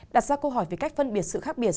đặt ra câu hỏi về cách phân biệt sự khác biệt